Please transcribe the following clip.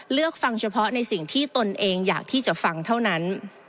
เลือกฟังเฉพาะในสิ่งที่ตนเองอยากที่จะฟังเท่านั้น